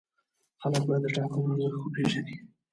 خلک باید د ټاکنو ارزښت وپېژني